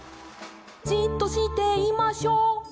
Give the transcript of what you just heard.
「じっとしていましょう」